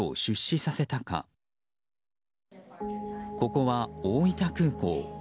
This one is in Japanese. ここは大分空港。